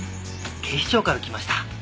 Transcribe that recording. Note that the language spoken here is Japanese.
警視庁から来ました。